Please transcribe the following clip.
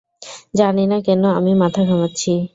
জানি না কেন আমি মাথা ঘামাচ্ছি।